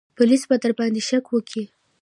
پوليس به درباندې شک وکي.